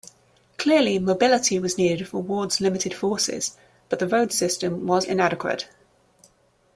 Clearly, mobility was needed for Ward's limited forces, but the road system was inadequate.